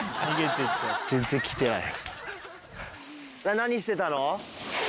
何してたの？